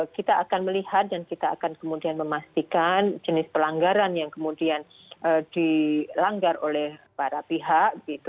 kita akan melihat dan kita akan kemudian memastikan jenis pelanggaran yang kemudian dilanggar oleh para pihak